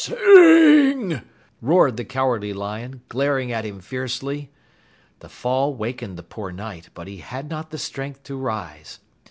"Sing!" roared the Cowardly Lion, glaring at him fiercely. The fall wakened the poor Knight, but he had not the strength to rise.